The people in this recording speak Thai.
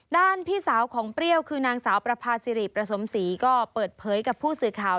พี่สาวของเปรี้ยวคือนางสาวประพาสิริประสมศรีก็เปิดเผยกับผู้สื่อข่าว